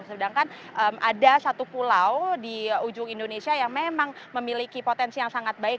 sedangkan ada satu pulau di ujung indonesia yang memang memiliki potensi yang sangat baik